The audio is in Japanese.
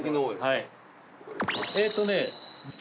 えぇとね。